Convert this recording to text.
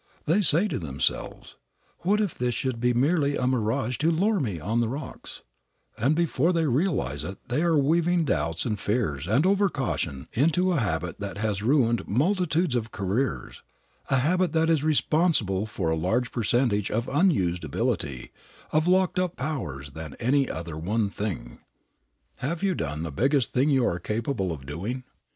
They say to themselves: "What if this should be merely a mirage to lure me on the rocks," and before they realize it they are weaving doubts and fears and over caution into a habit that has ruined multitudes of careers, a habit that is responsible for a larger percentage of unused ability, of locked up powers than any other one thing. Have you done the biggest thing you are capable of doing?